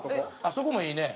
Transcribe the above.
そこもいいね。